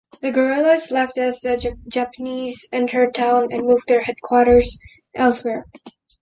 The guerrillas left as the Japanese entered town and moved their headquarters elsewhere.